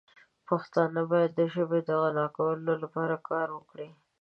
پښتانه باید د ژبې د غنا لپاره کار وکړي.